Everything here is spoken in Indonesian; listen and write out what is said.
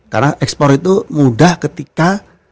karena ekspor itu mudah ketika